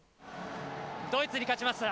ドイツに勝ちました。